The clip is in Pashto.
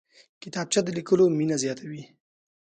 کتابچه د لیکلو مینه زیاتوي